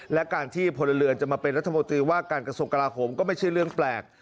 และการที่พลเรือนจะมาเป็นรัฐมนตรีว่าการกระทรวงกลาโหมก็ไม่ใช่เรื่องแปลก